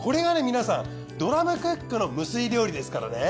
皆さんドラムクックの無水料理ですからね。